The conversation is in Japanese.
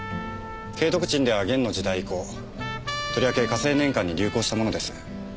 景徳鎮では元の時代以降とりわけ嘉靖年間に流行したものです。